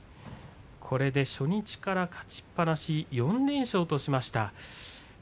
これで初日から勝ちっぱなしの４連勝です。